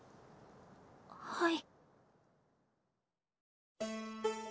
はい。